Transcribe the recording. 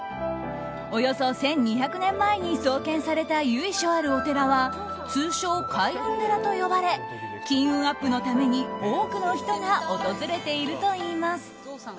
およそ１２００年前に創建された由緒あるお寺は通称、開運寺と呼ばれ金運アップのために多くの人が訪れているといいます。